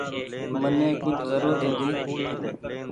مني ڪجه زرورت هيتي۔